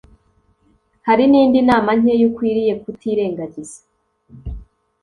Hari n'izindi nama nkeya ukwiriye kutirengagiza